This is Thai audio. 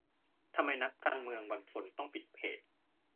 ทำไมนักการเมืองบางคนต้องปิดเพจ?